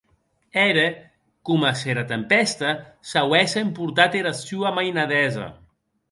Ère coma s'era tempèsta s'auesse emportat era sua mainadesa.